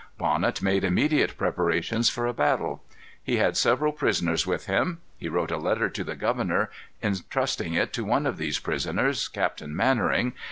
Bonnet made immediate preparations for a battle. He had several prisoners with him. He wrote a letter to the governor, intrusting it to one of these prisoners, Captain Mannering.